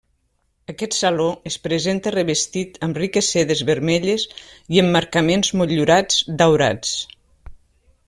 Aquest saló es presenta revestit amb riques sedes vermelles i emmarcaments motllurats daurats.